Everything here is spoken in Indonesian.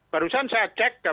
barusan saya cek